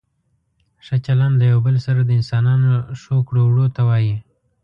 ښه چلند له یو بل سره د انسانانو ښو کړو وړو ته وايي.